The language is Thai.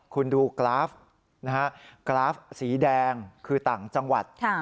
คุณดูกราฟนะฮะกราฟสีแดงคือต่างจังหวัด